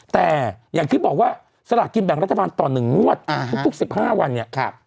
แต่อย่างที่บอกว่าสลากกินแบ่งรัฐบาลต่อ๑งวดทุก๑๕วันเนี่ย